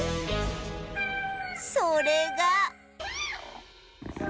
それが